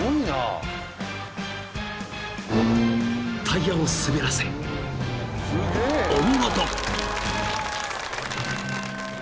［タイヤを滑らせお見事！］